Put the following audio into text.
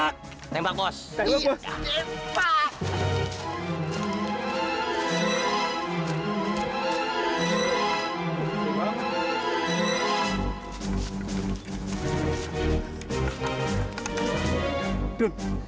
tepat jan tepat